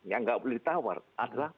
yang nggak boleh ditawar adalah